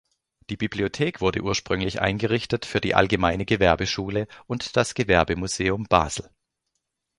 Die Bibliothek wurde ursprünglich eingerichtet für die Allgemeine Gewerbeschule und das Gewerbemuseum Basel.